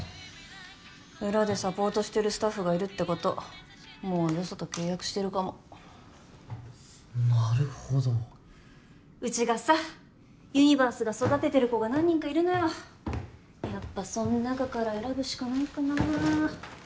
裏でサポートしてるスタッフがいるってこともうよそと契約してるかもなるほどうちがさユニバースが育ててる子が何人かいるのよやっぱその中から選ぶしかないかな